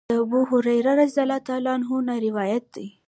د ابوهريره رضی الله عنه نه روايت دی :